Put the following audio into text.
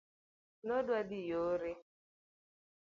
nodwadhi yore